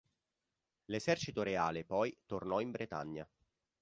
L'esercito reale, poi, tornò in Bretagna.